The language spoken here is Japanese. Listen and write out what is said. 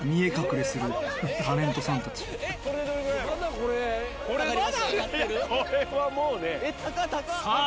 ・これはもうね・さぁ